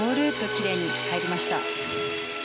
きれいに入りました。